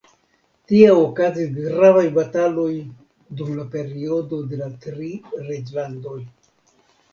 Tie okazis gravaj bataloj dum la periodo de la Tri Reĝlandoj.